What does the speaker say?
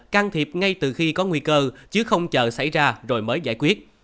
can thiệp ngay từ khi có nguy cơ chứ không chờ xảy ra rồi mới giải quyết